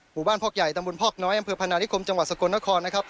หมู่บ้านพอกใหญ่ตำบลพอกน้อยอำเภอพนานิคมจังหวัดสกลนครนะครับ